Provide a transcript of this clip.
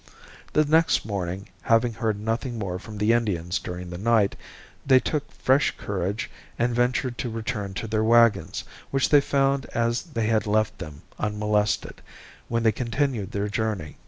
The next morning, having heard nothing more from the Indians during the night, they took fresh courage and ventured to return to their wagons, which they found as they had left them unmolested, when they continued their journey.